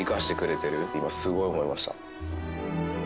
すごい思いました。